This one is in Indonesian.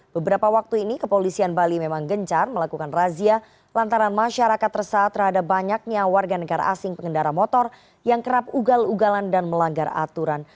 beberapa waktu ini kepolisian bali memang gencar melakukan razia lantaran masyarakat resah terhadap banyaknya warga negara asing pengendara motor yang kerap ugal ugalan dan melanggar aturan